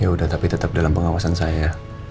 ya udah tapi tetap dalam pengawasan saya